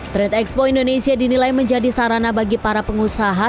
trade expo indonesia dinilai menjadi sarana bagi para pengusaha